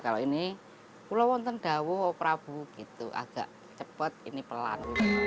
kalau ini kulowontendawu oprabu gitu agak cepet ini pelan